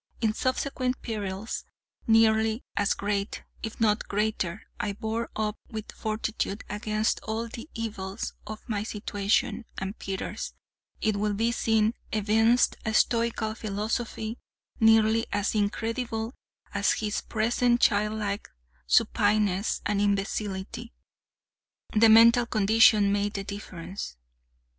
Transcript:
In subsequent perils, nearly as great, if not greater, I bore up with fortitude against all the evils of my situation, and Peters, it will be seen, evinced a stoical philosophy nearly as incredible as his present childlike supineness and imbecility—the mental condition made the difference.